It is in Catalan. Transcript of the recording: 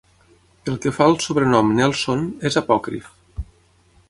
Pel que fa al sobrenom Nelson, és apòcrif.